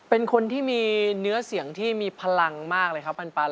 เป็นคนที่มีเนื้อเสียงที่มีพลังมากเลยครับปัน